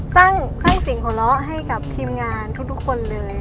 สร้างเสียงหัวเราะให้กับทีมงานทุกคนเลย